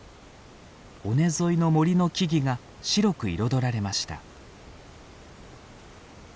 尾根沿いの森の木々が白く彩られました。